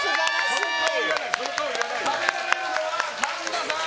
食べられるのは神田さん！